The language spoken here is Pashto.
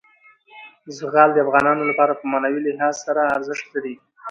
زغال د افغانانو لپاره په معنوي لحاظ ارزښت لري.